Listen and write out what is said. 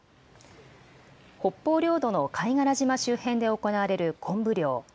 北方領土の貝殻島周辺で行われるコンブ漁。